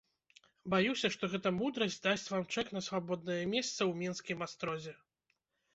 Баюся, што гэта мудрасць дасць вам чэк на свабоднае месца ў менскім астрозе.